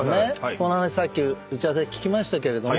この話さっき打ち合わせで聞きましたけれども。